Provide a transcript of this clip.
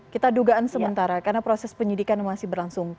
kita dugaan sementara karena proses penyidikan masih berlangsung